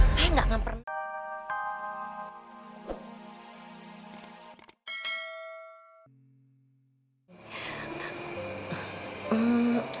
saya gak pernah